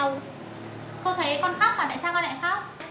cô thấy con khóc mà tại sao con lại khóc